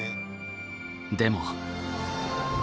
でも。